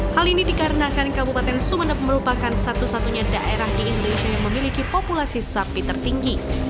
hal ini dikarenakan kabupaten sumeneb merupakan satu satunya daerah di indonesia yang memiliki populasi sapi tertinggi